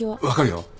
分かるよ。